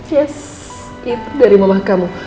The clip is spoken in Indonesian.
yes itu dari mama kamu